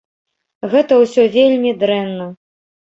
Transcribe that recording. Гэта ўсё вельмі дрэнна.